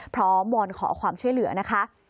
วอนขอความช่วยเหลือนะคะ